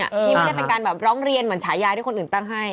ที่ไม่ได้เป็นการแบบร้องเรียนเหมือนฉายาที่คนอื่นตั้งให้